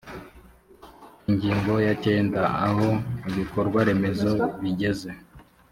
ingingo ya cyenda aho ibikorwaremezo bigeze